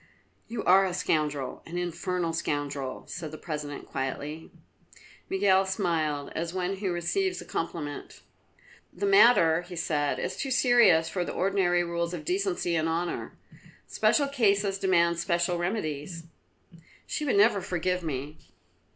"You are a scoundrel an infernal scoundrel," said the President quietly. Miguel smiled, as one who receives a compliment. "The matter," he said, "is too serious for the ordinary rules of decency and honour. Special cases demand special remedies." "She would never forgive me."